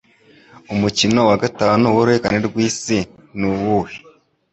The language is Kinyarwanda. Umukino wa gatanu w'uruhererekane rw'isi nuwuhe